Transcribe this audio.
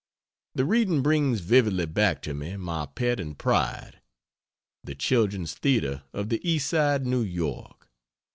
The reading brings vividly back to me my pet and pride. The Children's Theatre of the East side, New York.